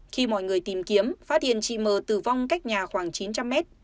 khi mọi người tìm kiếm phát hiện chị m tử vong cách nhà khoảng chín trăm linh m